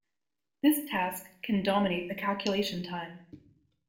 This task can dominate the calculation time.